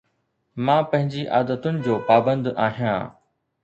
مان پنهنجي عادتن جو پابند آهيان